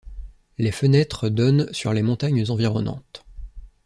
Les fenêtres donnent sur les montagnes environnantes.